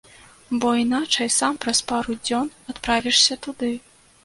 Бо іначай сам праз пару дзён адправішся туды!